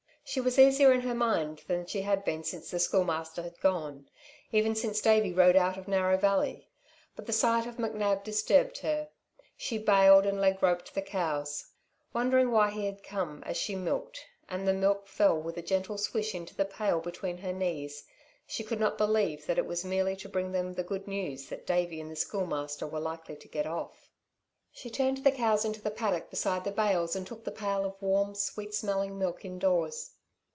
She was easier in her mind than she had been since the Schoolmaster had gone even since Davey rode out of Narrow Valley. But the sight of McNab disturbed her. She bailed and leg roped the cows. Wondering why he had come, as she milked, and the milk fell with a gentle swish into the pail between her knees, she could not believe that it was merely to bring them the good news that Davey and the Schoolmaster were likely to get off. She turned the cows into the paddock beside the bails and took the pail of warm, sweet smelling milk indoors.